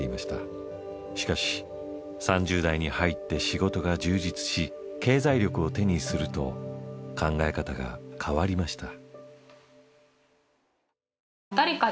しかし３０代に入って仕事が充実し経済力を手にすると考え方が変わりました。